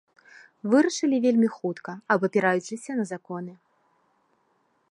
Вырашылі вельмі хутка, абапіраючыся на законы.